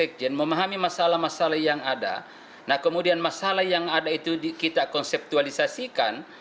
sekjen memahami masalah masalah yang ada nah kemudian masalah yang ada itu kita konseptualisasikan